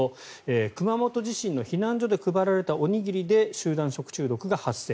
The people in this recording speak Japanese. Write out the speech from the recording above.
熊本地震の避難所で配られたおにぎりで集団食中毒が発生。